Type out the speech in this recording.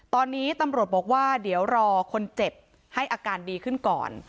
ตอนนี้ตำรวจบอกว่าเดี๋ยวรอคนเจ็บให้อาการดีขึ้นก่อน